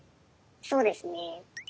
そうですね。